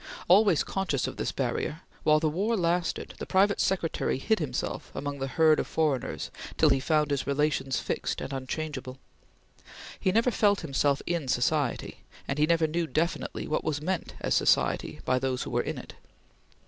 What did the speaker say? Always conscious of this barrier, while the war lasted the private secretary hid himself among the herd of foreigners till he found his relations fixed and unchangeable. He never felt himself in society, and he never knew definitely what was meant as society by those who were in it.